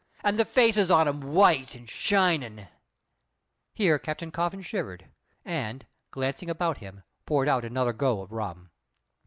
And the faces on 'em white and shinin' " Here Captain Coffin shivered, and, glancing about him, poured out another go of rum.